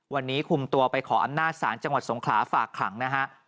วันนี้คุมตัวไปขออำนาจศาลจังหวัดสงขลาฝากขังนะฮะ